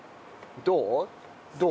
どう？